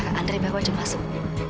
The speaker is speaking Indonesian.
kak andri bawa aja masuk